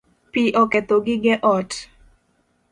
Pi oketho gige ot